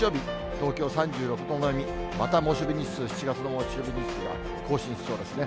東京３６度並み、また猛暑日数、７月の猛暑日日数が更新しそうですね。